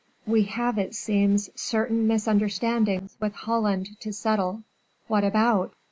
"We have, it seems, certain misunderstandings with Holland to settle." "What about?"